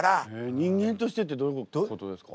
人間としてってどういうことですか？